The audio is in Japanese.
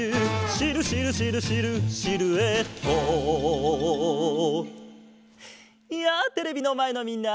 「シルシルシルシルシルエット」やあテレビのまえのみんな！